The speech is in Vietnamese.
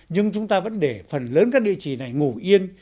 nhưng chúng ta vẫn để phần lớn các địa chỉ này ngủ yên